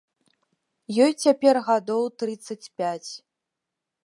Ёй цяпер гадоў трыццаць пяць.